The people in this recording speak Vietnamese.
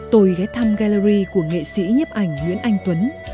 tôi ghé thăm gallery của nghệ sĩ nhấp ảnh nguyễn anh tuấn